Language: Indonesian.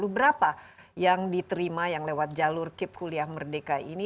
berapa yang diterima yang lewat jalur kip kuliah merdeka ini